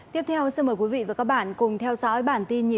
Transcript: tiếp theo xin mời quý vị và các bạn cùng theo dõi bản tin nhịp